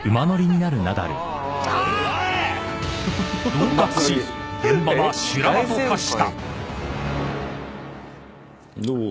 ［恫喝し現場は修羅場と化した］